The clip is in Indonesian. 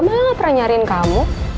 mala gak pernah nyariin kamu